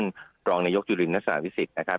กระทรวงนายกจุฬิมนัศนาภิสิทธิ์นะครับ